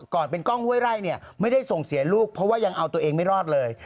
ก่อนเป็นกล้องห้วยไร่เนี่ยไม่ได้ส่งเสียลูกเพราะว่ายังเอาตัวเองไม่รอดเลย